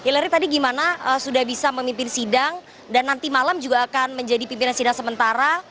hillary tadi gimana sudah bisa memimpin sidang dan nanti malam juga akan menjadi pimpinan sidang sementara